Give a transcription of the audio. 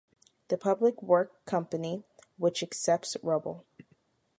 The public work company which accepts rubble.